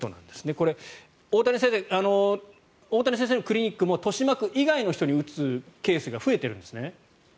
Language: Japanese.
これ、大谷先生大谷先生のクリニックも豊島区以外の人に打つケースが増えてるんですね。